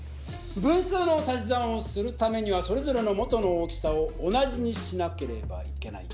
分数の足し算をするためにはそれぞれの元の大きさを同じにしなければいけない。